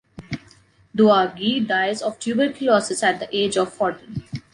Douagi dies of tuberculosis at the age of forty.